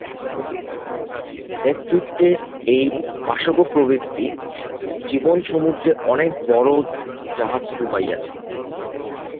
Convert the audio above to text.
নেতৃত্বের এই পাশব প্রবৃত্তি জীবনসমুদ্রে অনেক বড় বড় জাহাজ ডুবাইয়াছে।